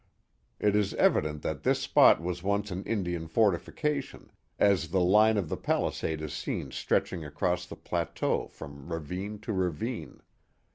It is evident that this spot was once an Indian forti fication, as the line of the palisade is seen stretching across the plateau from ravine to ravine.